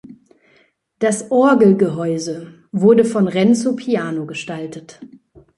Das Orgelgehäuse wurde von Renzo Piano gestaltet.